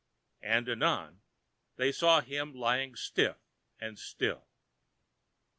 And anon they saw him lying stiff and still.